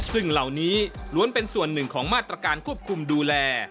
ซึ่งเหล่านี้ล้วนเป็นส่วนหนึ่งของมาตรการควบคุมดูแล